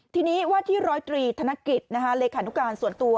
ทีนี้ว่าที่ร้อยตรีธนกิจเลขานุการส่วนตัว